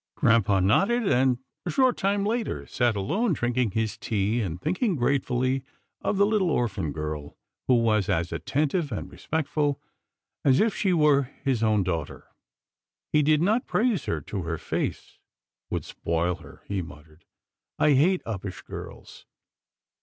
Grampa nodded, and, a short time later, sat alone drinking his tea, and thinking gratefully of the little orphan girl who was as attentive and respect ful as if she were his own daughter. He did not praise her to her face. " Would spoil her," he muttered. " I hate uppish girls."